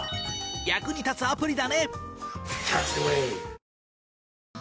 役に立つアプリだね！